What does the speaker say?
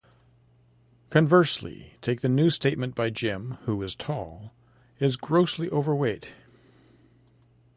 Conversely, take the new statement by Jim, who is tall, is grossly overweight.